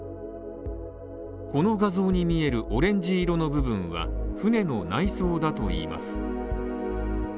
この画像に見えるオレンジ色の部分は船の内装だといいます。